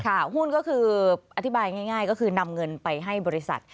หุ้นก็คืออธิบายง่ายก็คือนำเงินไปให้บริษัท